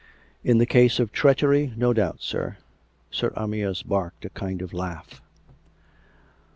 " In the cause of treachery, no doubt, sir." Sir Amyas barked a kind of laugh.